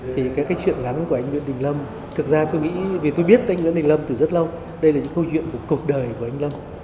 thì cái chuyện ngắn của anh nguyễn đình lâm thực ra tôi nghĩ vì tôi biết anh nguyễn đình lâm từ rất lâu đây là những câu chuyện của cuộc đời của anh lâm